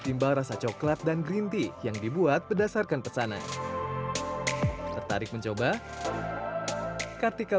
timbal rasa coklat dan green tea yang dibuat berdasarkan pesanan tertarik mencoba kartikal